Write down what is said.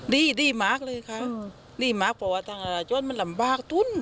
ดีดีมากเลยครับดีมากเพราะว่าอาหารจนมันลำบากคุ้นเลย